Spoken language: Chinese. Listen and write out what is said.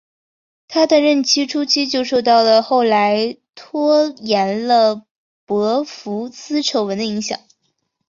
他的任期初期就受到了后来拖延了博福斯丑闻的影响。